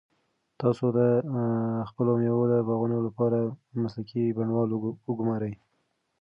تاسو د خپلو مېوو د باغونو لپاره مسلکي بڼوال وګمارئ.